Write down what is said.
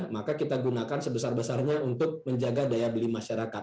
maka kita gunakan sebesar besarnya untuk menjaga daya beli masyarakat